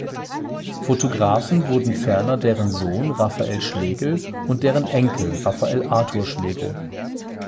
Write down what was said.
Fotografen wurden ferner deren Sohn Raphael Schlegel und deren Enkel Raphael Arthur Schlegel.